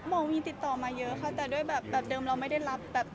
จะบอกว่ามีติดต่อมาเยอะแต่ด้วยแบบเดิมว่าไม่ได้รับ